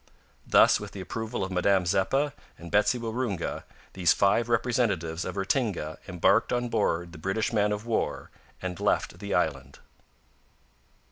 Thus, with the approval of Madame Zeppa and Betsy Waroonga, these five representatives of Ratinga embarked on board the British man of war, and left the island.